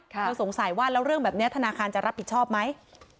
เธอสงสัยว่าแล้วเรื่องแบบนี้ธนาคารจะรับผิดชอบไหม